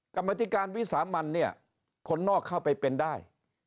กรรมธิการวิสามันเนี่ยคนนอกเข้าไปเป็นได้